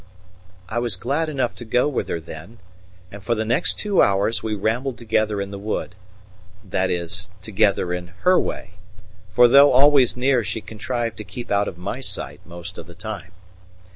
I was glad enough to go with her then; and for the next two hours we rambled together in the wood; that is, together in her way, for though always near she contrived to keep out of my sight most of the time.